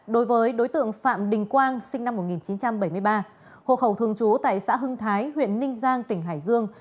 đối với đối tượng phạm đình quang sinh năm một nghìn chín trăm bảy mươi ba hộ khẩu thường trú tại xã hưng thái huyện ninh giang tỉnh hải dương